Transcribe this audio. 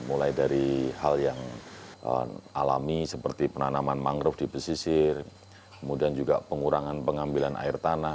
mulai dari hal yang alami seperti penanaman mangrove di pesisir kemudian juga pengurangan pengambilan air tanah